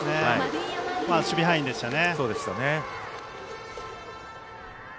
守備範囲でしたね。